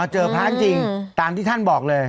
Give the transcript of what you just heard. เห็นภาคจริงตามที่ท่านบอกเลย